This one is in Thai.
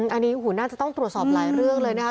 อันนี้น่าจะต้องตรวจสอบหลายเรื่องเลยนะคะ